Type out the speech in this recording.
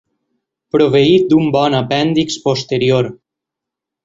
Proveït d'un bon apèndix posterior.